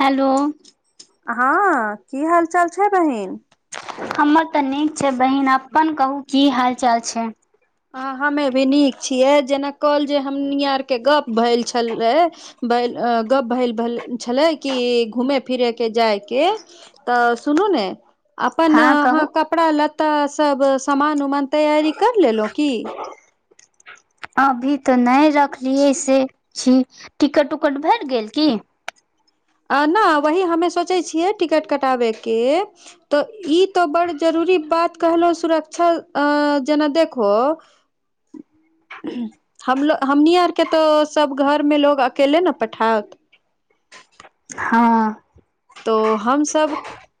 Hello- हँ की हाल चाल छै बहिन? हमर तऽ नीक छै बहिन, अप्पन कहू की हाल चाल छै? ह हमे भी नीक छियै जेना कल जे हम नीयारके गप भयल छलैय- बैल अ -गप भैल भेलय छलय की घूमय फिरय के जायके। तऽ सुनू ने। अपन हँ कहू अहाँ कपड़ा लत्तासभ समान उमान तैयारी करि लेलहुँ की? अभी तऽ नहि रखलियै से छी, टिकट उकट भेटि गेल की? अ -ना वही हमे सोचै छियै टिकट कटाबैके। तऽ ई तऽ बड़ जरूरी बात कहलहुँ सुरक्षा अ- जेना देखहो। [unintelligible] हमलो- हमनी आर के तो सब घर मे लोग अकेले ने पठाओत। हँ। तो हमसब-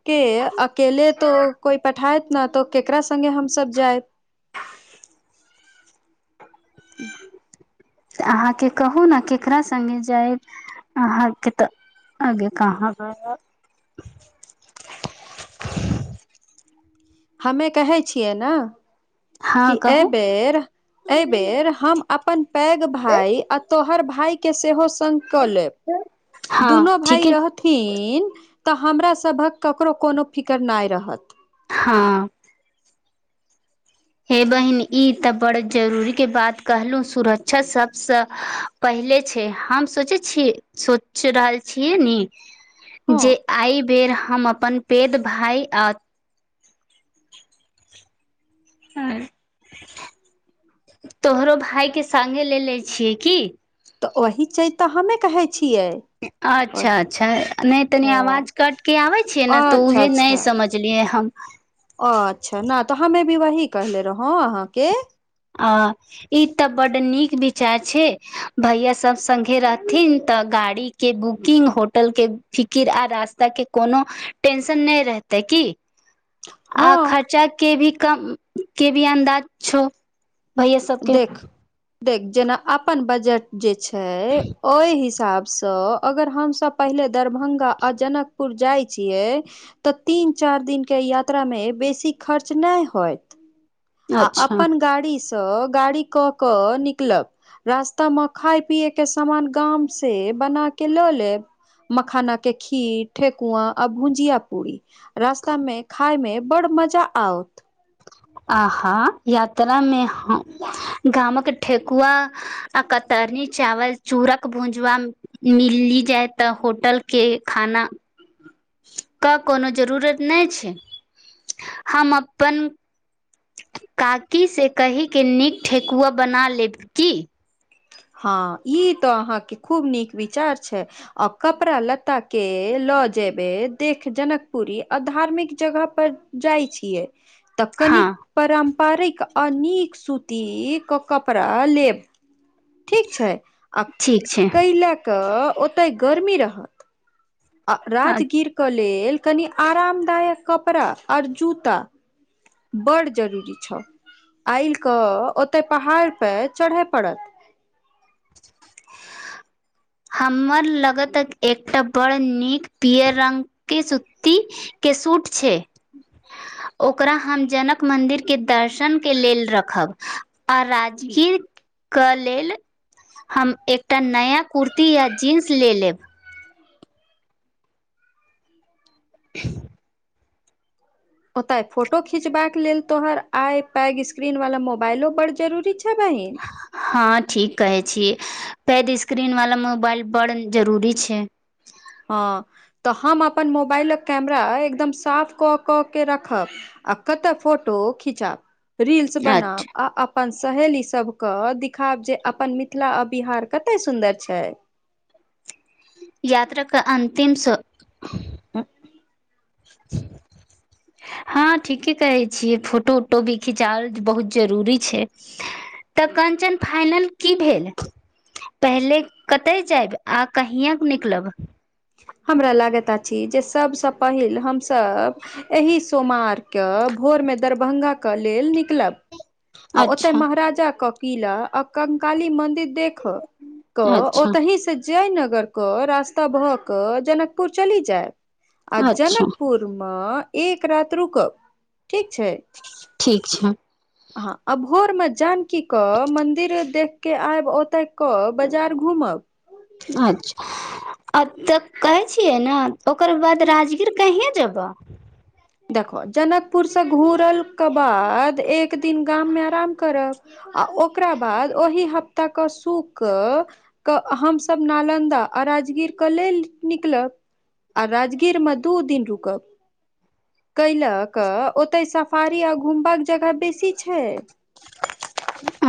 के अकेले तऽ कोइ पठायत न तऽ केकरा संगे हमसब जायब? तऽ अहाँके कहू ने केकरा संगे जायब? [unintelligible] अहाँ के तऽ आगे कहां? [unintelligible] हमे कहै छियै न। कि हँ एहि कहू बेेर, एहि बेेर हम अपन पैघ भाय तोहर भाय के सेहो संग कऽ लेब, हँ दुनू भाइ ठीके रहत थिन तऽ हमरा सभक ककरो कोनो फिकर नहि रहत। हँ। हे बहिन ई तऽ बड़ जरूरीके बात कहलहुँ सुरक्षा सबसँ पहिले छै। हम सोचै छिय, सोचि रहल छियै ने हँ जे एहि बेर हम अपन बेद भाय आ तोहरो भाय के संगे ले ले छियै की? तऽ ओही चीज तऽ हमे कहै छियै अच्छा- अच्छा, नहि तनी हँ आवाज कटके आबै छैय ने त अच्छा उहे नहि समझ लिए हम। ओ अच्छा ने तऽ हमे भी वही कहले रहौ अहाँके। आ। ई तऽ बड नीक विचार छैय, भैया सब संगे रहथिन तऽ गाड़ी के बुकिंग, होटल के फिकिर आ रास्ता के कोनो टेंशन नहि रहते की। हँ आ खर्चा के भी कम के भी अन्दाज छौ। भैया सबके देख देख जेना अपन बजट जे छैय ओहि हिसाबसँ अगर हमसब पहिले दरभंगा आ जनकपुर जाय छियै तऽ तीन चार दिनके यात्रामे बेसी खर्च नहि होय। आ अच्छा अपन गाड़ीसँ, गाड़ी कऽ कऽ निकलब। रास्तामे खाय पियए के सामान गाम से बना के लऽ लेब। मखाना के खीर, ठेेकुआ आ भुजिया पूरी। रास्ता में खाय में बड़ मजा आउत। आहा? यात्रामे ह गामक ठेकुआ आ कतरनी चावल चूरक भूंजवा जे मिली जाय तऽ होटलके खाना के कोनो जरूरत नहि छैय। हम अपन काकीसँ कहिके नीक ठेकुआ बना लेब की? हँ ई तो अहां के खूब नीक विचार छैय। आ कपड़ा लत्ता के लऽ जेबै देख जनकपुरी आ धार्मिक जगह पर जाइ छियै तऽ कनिक हँ पारम्परिक आ नीक सूती के कपड़ा लेब। ठीक छै, आ ठीक छै कै लए कऽ ओतय गर्मी रहत। राजगीर के लेल कनि आरामदायक कपड़ा आऔर जूता बड्ड जरूरी छ। आइ कऽ ओतय पहाड़पर चढ़य पड़त। हमर लग त एकटा बड़ नीक पियर रंगके सूती के सूट छैय। ओकरा हम जनक मन्दिरके दर्शनके लेल रखब। आ राजगीरके लेल हम एकटा नया कुर्ती ती अ जीन्स ले लेब। ओतय फोटो खिचबाक लेल तोहर आइ पैघ स्क्रीन वालला मोबाइलो बड जरूरी छैय बहिन। हँ ठीक कहै छी। पैघ स्क्रीन वाला मोबाइल बड़ जरूरी छैय। हँ तऽ हम अपन मोबाइलक कैमरा एकदम साफ कऽ कऽ के रखब आ कतऽ फोटो खिचब रील्स अच बनाब आ अपन सहेली सभके देखिखायब जे अपन मिथिला आ बिहार कते सुन्दर छै। यात्रा क अंतिम स ह [inaudible] हँ ठीके कहै छियै फोटो उटो भी खिचाओ बहुत जरूरी छै। ह [inaudible] तऽ कंचन फाइनल की भेल, पहिले कतय जायब आ कहिआक निकलब। हमरा लागैत अछी जे सबसँ पहिल हमसब एहि सोमारके भोरमे दरभगाके लेल निकलब। आ ओतय अच्छा महाराजा के किला आ कंकाली मन्दिर देख क अच्छा ओतहि से जयनगर क रास्ता भह क जनकपुर चली जायब आ अच्छा जनकपुर मे एक रात रुकब ठीक छै। ठीक छै [unintelligible] हँ आ भोरमे जानकी क मंदिरे देख के आयब ओ देख क बाजार घूमब। अच्छा आब तऽ कहै छियै ने ओकर बाद राजगीर कहिय जेबह, देखहो जनकपुरसँ घुरलके बाद एक दिन गाममे आराम करब आ ओकरा बाद ओही हफ्ताके सुक क हमसभ नालन्दा आ राजगीरके लेल निकलब। आ राजगीरमे दू दिन रुकब कयलक ओतय सफारी आ घूमबाक जगह बेसी छै।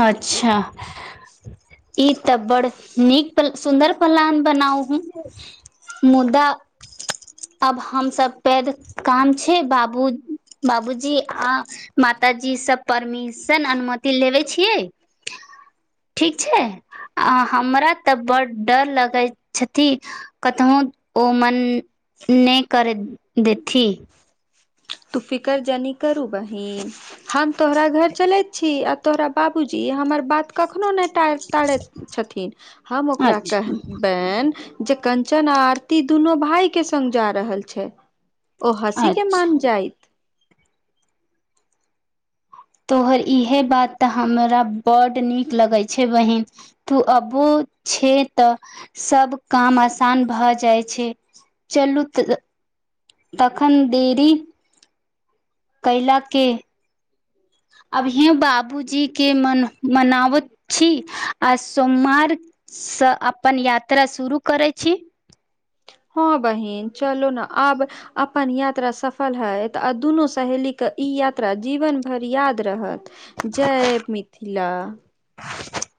अच्छा ई तऽ बड़ नीक सुन्दर पलान बनाउ हू, मुदा अब हमसब पैद काम छै बाबू- बाबूजी आ माताजी से परमिशन अनुमति लेबै छियै, ठीक छै आ हमरा तऽ बड्ड डर लगैत छथि कतहु ओ मन नहि करै देथि। तूफिकरजनी करू बहिन, हम तोहरा घर चलैत छी आ तोहरा बाबूजी हमर बात कखनो नहि टैर- टारैत छथिन हम ओकरा अच्छा कहबनि जे कंचन आ आरती दुनू भाय के संग जा रहल छै ओ हँसी के अच्छा मान जाइ [unintelligible] तोहर इएहे बात तऽ हमरा बड्ड नीक लगै छै बहिन, तु अबो छै तऽ सब काम आसान भऽ जाइ छै। चलू त- तखन डेली कैला के अभियो बाबूजी के मन- मनावत छी आ सोमवारसँ अपन यात्रा शुरू करै छी, हँ बहिन चलू ने आब अपन यात्रा सफल हयत आ दुनू सहेलीके ई यात्रा जीवन भरि याद रहत। जय मिथिला ह [inaudible]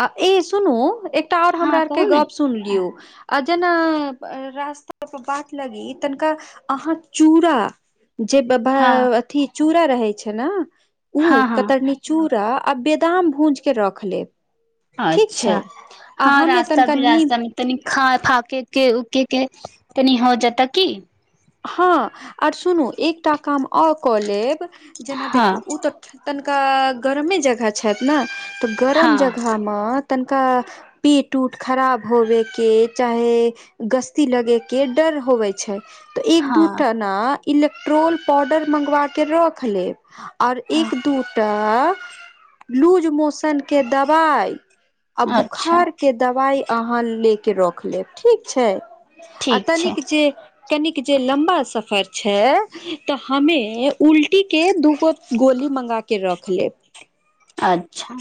आ ई सुनू एकटा आओर हँ हमरा आरके कहू ने गप सुनि लियौ, आ जेना रास्ता पर बाट लगी तनिका अहाँ चूड़ा जे बद हँ। अथि चूड़ा रहै छै ने ओ हँ हँ कतरनी चूड़ा आ बदाम भूजिके रख लेब। ठीक छै अच्छा, आ हँ हमे रास्ता तनिका नीम विरास्तामे तनि खा फाकै के उके तनि हो जेतै की हँ और सुनू एकटा काम और कऽ लेब जेना हँ देखू ओ तऽ तनिका गरमे जगह छथि ने तऽ हँ गरम जगहमे तनिका पेट उट खराब होबेके चाहे गस्ती लगे के डर होवे छै। तऽ एक हँ दू टा ना इलेक्ट्रोल पाउडर मंगवा के रख लेब। और हँ एक दूटा लूज मोशन के दवाई आ अच्छा बुखार के दवाइ अहाँ ले के रख लेब, ठीक छै। आ ठीक छै तनिक जे तनिक जे लम्बा सफर छै तऽ हमे उल्टीके दूगो गोली मँगा के के रख लेब। अच्छा।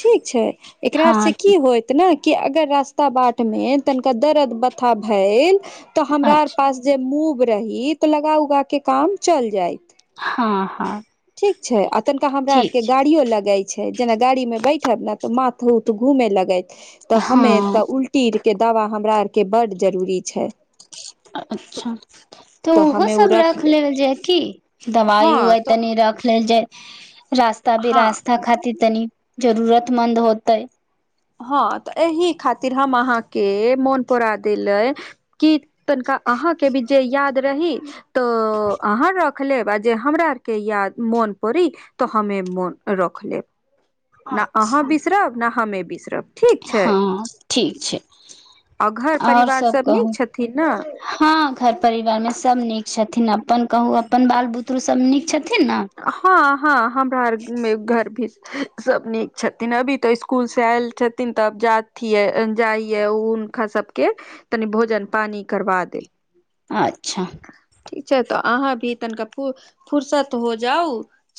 ठीक छै, एकरा और से हँ की होइत ने कि अगर रास्ता बाट मे तनिका दर्द बथा भेल तऽ हमरा और अच्छा पास जे मूव रही तऽ लगा उगाके काम चल जाइ। हँ हँ। ठीक छै आ तनिका हमरा आर ठीक के छै गाड़ियो लगै छै, जेना गाड़ी मे बैठब ने त माथ उथ घूमे लगैत तऽ हमे हँ त उल टी और के दवा हमरा आरके बड जरूरी छै। अच्छा। तऽ ओहो हमे ओ सब रख लेब लेल जाय की, दवाइ हँ उवाइ तऽ तनी रख लेल जाय। रास्ता हँ बेरास्ता खातिर तनी जरूरतमन्द होतै। हँ तऽ एहि खातिर हम अहाँके मोन परा देले कि तनिका अहाँके भी जे याद रही त अहाँ राखु रख लेब आ जे हमरा आरके याद मोन पड़ी तऽ हमे मोन रख लेब। ने हँ अहाँ बिसरब ने हमे बिसरब। ठीक छै, ठीक छै आ घर आओर परिवार सब नीक कहू छथिन ने। हँ घर परिवार मे सब नीक छथिन, अपन कहू अपन बाल बुतरु सब नीक छथिन। ने हँ हँ हमरा आर मे घर भी सब नीक छथिन अभी तऽ स्कूल से आयल छथिन तऽ अब जाथि जाइये उल का सबके तनि भोजन पानी करबा देब। अच्छा। ठीक छै तऽ अहाँ भी तनिका फुरसत हो जाउ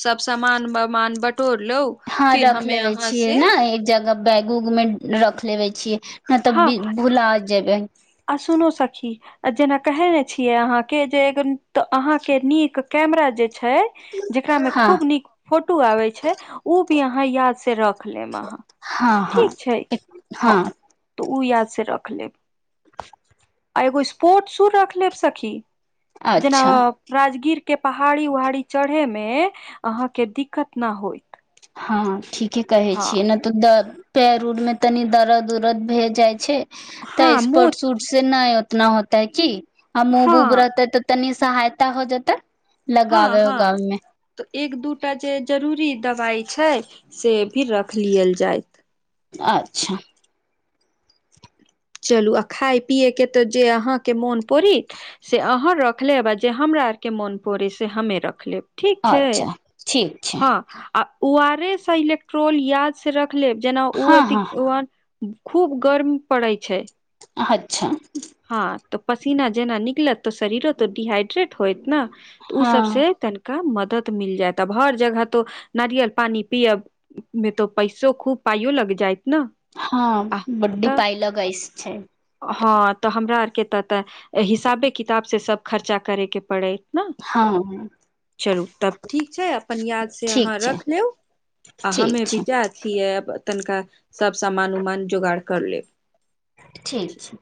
सब समान वामान बटोर लउ हँ रख लेवे छियै ने एक जगह। बैग उग में रख लेवे छियै नै तब हँ भुला जेबै। आ सुनु सखी जेना कहेने छिये अहाँ के जे एगो अहां के नीक कैमरा जे छै जेकरा मे हँ खूब नीक फोटो आबै छै ओ भी अहाँ याद से रख लेब अहाँ। हँ हँ ठीक छै, हां हँ तऽ ओ याद से रख लेब। आ एगो स्पोर्ट शू रख लेब सखी जेना अच्छा राजगीर के पहाड़ी उहाड़ी चढ़े मे अहां के दिक्कत ना होइत। हँ ठीके कहे हँ छियै न त पैर ऊर मे तनि दर्द उरद भए जाइ छै तऽ हँ मोच स्पोर्ट शूट से नहि उतना होतै की, आ मुब ऊब हँ रहतै तऽ तनी सहायता हो जेतै। लगाबे उगाबे मे हां-हां एक दू टा जे जरूरी दबाइ छै, से भी रख लेलियल जायत। अच्छा चलू आ खाय पियैके तऽ जे अहाँके मोन परि से अहाँ रख लेब, आ जे हमरा आरके मोन पड़ै से हमे रख लेब ठीक छै? अच्छा ठीक छै हां आ ओ आर एस आ इलेक्ट्रोल याद से रख लेब जेना ओ हँ अध हँ खूब गर्म पड़ै छै। अच्छा हां तऽ पसीना जेना निकलत तऽ शरीरो तऽ डिहाइड्रेट होयत न। तऽ ओ हँ सभसँ तनिका मदद मिल जायत आब हर जगह तो नारियल पानि पियअब उ मे तो पैसो खूब पाइयो लग जायत न। हां बड्डी पाइ लगइस छै। हां तऽ हमरा आरके तऽतऽ हिसाबे किताबसँ सब खर्चा करैके पड़ै। हां चलू तब ठीक छै, अपन याद से ठीक अहाँ छै रख लेउ आ हमे ठीक भी छै जा छिये तनिका सब समान उमान जोगाड़ कर लेब। ठीक छै।